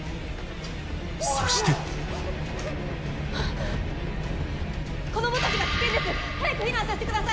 そして子供たちが危険です早く避難させてください！